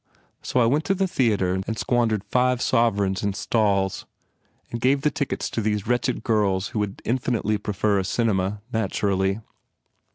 So I went to the theatre and squandered five sovereigns in stalls and gave the tickets to these wretched girls who would infinitely prefer a cinema, naturally.